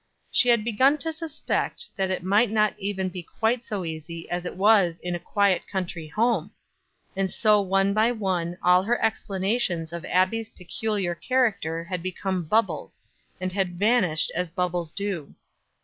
She had begun to suspect that it might not even be quite so easy as it was in a quiet country home; and so one by one all her explanations of Abbie's peculiar character had become bubbles, and had vanished as bubbles do.